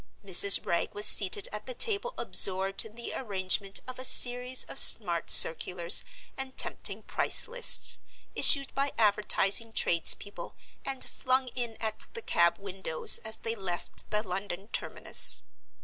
Mrs. Wragge was seated at the table absorbed in the arrangement of a series of smart circulars and tempting price lists, issued by advertising trades people, and flung in at the cab windows as they left the London terminus.